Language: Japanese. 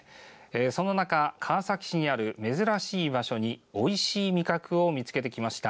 そんな中、川崎市の珍しい場所においしい味覚を見つけてきました。